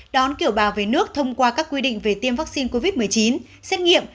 đón kiều bào về nước thông qua các quy định về tiêm vaccine covid một mươi chín xét nghiệm